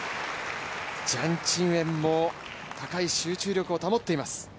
ジャン・チンウェンも高い集中力を保っています。